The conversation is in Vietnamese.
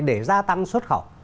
để gia tăng xuất khẩu